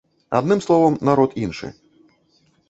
Адным словам, народ іншы.